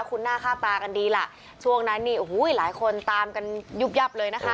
คุณหน้าค่าตากันดีล่ะช่วงนั้นนี่โอ้โหหลายคนตามกันยุบยับเลยนะคะ